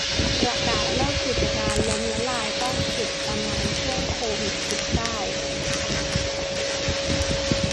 ประกาศเลิกกิจการ ล้มละลาย ต้องปิดตำนานช่วง โควิด สิบเก้า